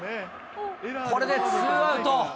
これでツーアウト。